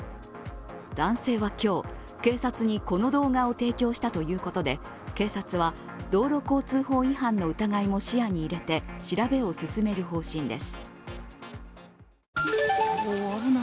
男性は今日、警察にこの動画を提供したということで警察は道路交通法違反の疑いも視野に入れて調べを進める方針です。